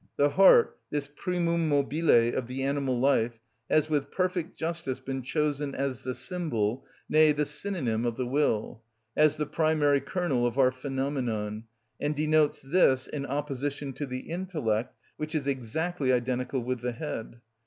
The heart, this primum mobile of the animal life, has with perfect justice been chosen as the symbol, nay, the synonym, of the will, as the primary kernel of our phenomenon, and denotes this in opposition to the intellect, which is exactly identical with the head.